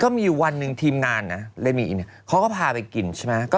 ก็มีวันหนึ่งทีมงานนั้นเค้าก็พาไปกินใช่ไหม